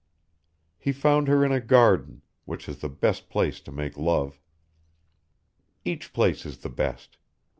He found her in a garden, which is the best place to make love. Each place is the best.